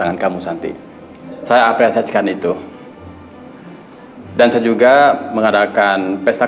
ingin menerbitkan bukunya di kantor